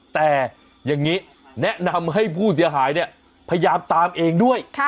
แต่อย่างนี้แนะนำให้ผู้เสียหายเนี่ยพยายามตามเองด้วย